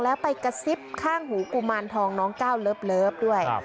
แล้วไปกระซิบข้างหูกุมารทองน้องก้าวเลิฟด้วย